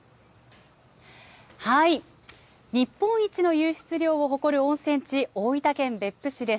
日本一の湧出量を誇る温泉地、大分県別府市です。